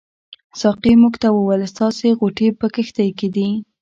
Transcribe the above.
ساقي موږ ته وویل ستاسې غوټې په کښتۍ کې دي.